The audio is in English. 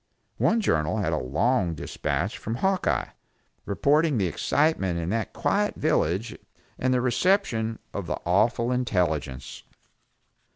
One journal had a long dispatch from Hawkeye, reporting the excitement in that quiet village and the reception of the awful intelligence.